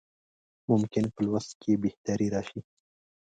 ممکن په لوست کې یې بهتري راشي.